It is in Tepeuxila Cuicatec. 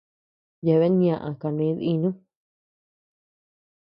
Yeabean ñaʼa kané dínu.